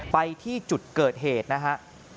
ไปที่จุดเกิดเหตุนะฮะ